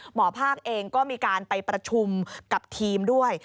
หมอภาคเองก็มีการไปประชุมกับทีมด้วย